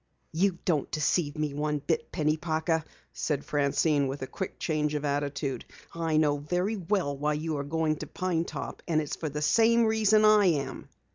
"You don't deceive me one bit, Penny Parker," said Francine with a quick change of attitude. "I know very well why you are going to Pine Top, and it's for the same reason I am!"